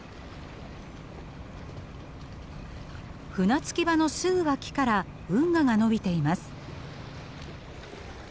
船着き場のすぐ脇から運河が延びています。